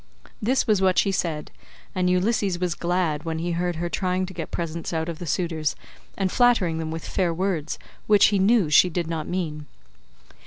This was what she said, and Ulysses was glad when he heard her trying to get presents out of the suitors, and flattering them with fair words which he knew she did not mean.